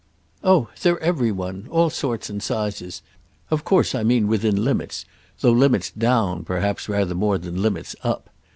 "Oh they're every one—all sorts and sizes; of course I mean within limits, though limits down perhaps rather more than limits up.